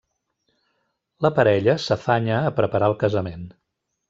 La parella s'afanya a preparar el casament.